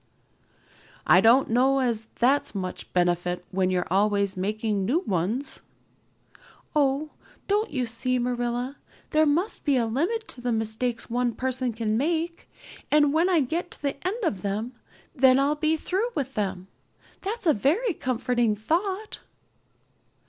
"I don't know as that's much benefit when you're always making new ones." "Oh, don't you see, Marilla? There must be a limit to the mistakes one person can make, and when I get to the end of them, then I'll be through with them. That's a very comforting thought."